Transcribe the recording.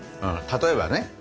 例えばね。